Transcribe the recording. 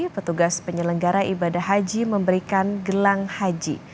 petugas penyelenggara ibadah haji memberikan gelang haji